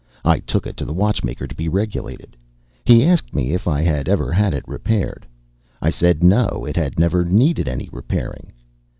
I took it to the watchmaker to be regulated. He asked me if I had ever had it repaired. I said no, it had never needed any repairing.